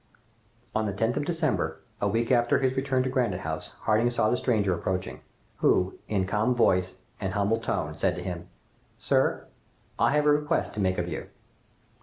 On the 10th of December, a week after his return to Granite House, Harding saw the stranger approaching, who, in a calm voice and humble tone, said to him: "Sir, I have a request to make of you."